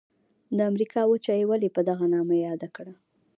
د امریکا وچه یې ولي په دغه نامه یاده کړه؟